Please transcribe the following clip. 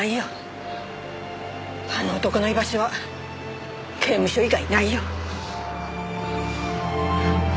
あの男の居場所は刑務所以外ないよ。